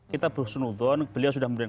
kita berhusnudon beliau sudah mulai